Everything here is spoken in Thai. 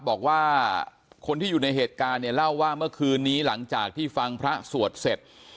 บอกว่าคนที่อยู่ในเหตุการณ์เนี่ยเล่าว่าเมื่อคืนนี้หลังจากที่ฟังพระสวดเสร็จ